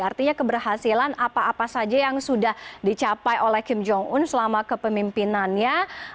artinya keberhasilan apa apa saja yang sudah dicapai oleh kim jong un selama kepemimpinannya